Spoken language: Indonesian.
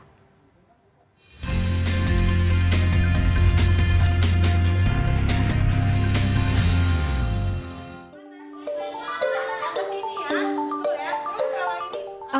kegiatan belajar langsung